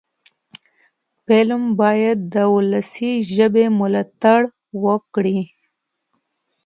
فلم باید د ولسي ژبې ملاتړ وکړي